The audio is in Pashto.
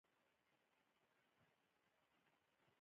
د عراق د پېښو یو درس دا و.